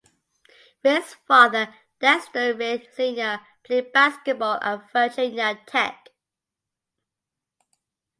Reid's father, Dexter Reid Senior played basketball at Virginia Tech.